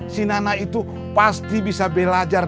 si nana itu pasti bisa belajar